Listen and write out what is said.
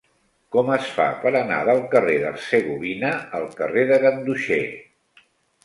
Com es fa per anar del carrer d'Hercegovina al carrer de Ganduxer?